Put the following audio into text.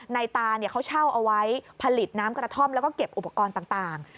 ตาเขาเช่าเอาไว้ผลิตน้ำกระท่อมแล้วก็เก็บอุปกรณ์ต่าง